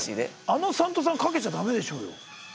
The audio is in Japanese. あの３と３かけちゃダメでしょうよ。